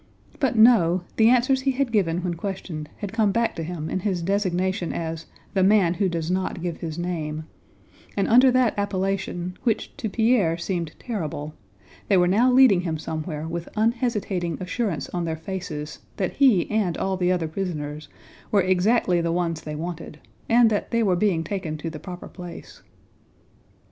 But no: the answers he had given when questioned had come back to him in his designation as "the man who does not give his name," and under that appellation, which to Pierre seemed terrible, they were now leading him somewhere with unhesitating assurance on their faces that he and all the other prisoners were exactly the ones they wanted and that they were being taken to the proper place.